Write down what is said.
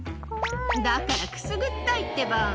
だからくすぐったいってば。